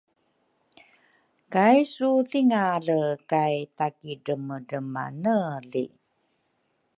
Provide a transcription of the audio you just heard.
kaisu thingale kay takidremadremaneli.